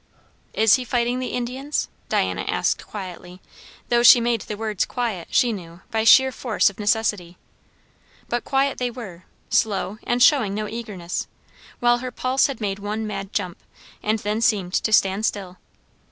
"Is he fighting the Indians?" Diana asked quietly; though she made the words quiet, she knew, by sheer force of necessity. But quiet they were; slow, and showing no eagerness; while her pulse had made one mad jump, and then seemed to stand still.